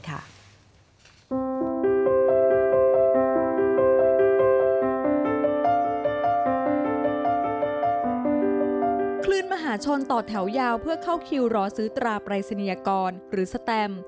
คลื่นมหาชนต่อแถวยาวเพื่อเข้าคิวรอซื้อตราปรายศนียกรหรือสแตม